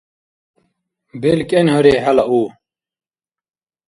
БелкӀен, гьари, хӀела у